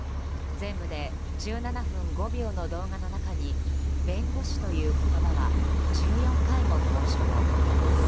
全部で１７分５秒の動画の中に弁護士という言葉は１４回も登場。